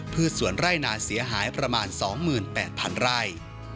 สวนไร่นาเสียหายประมาณ๒๘๐๐๐ไร่